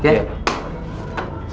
aku mau pergi